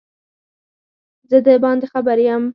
زه دباندي خبر یم